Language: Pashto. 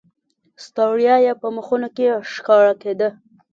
ستړیا یې په مخونو کې ښکاره کېده.